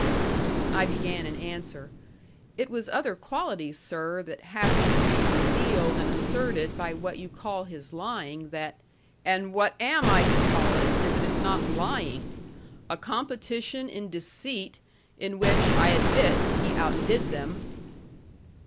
I began an answer. "It was other qualities, sir, that happened to be revealed and asserted by what you call his lying that " "And what am I to call it, if it is not lying? A competition in deceit in which, I admit, he out did them.